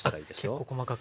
結構細かく。